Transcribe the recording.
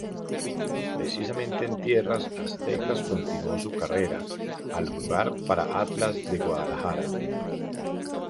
Precisamente en tierras aztecas continuó su carrera, al jugar para Atlas de Guadalajara.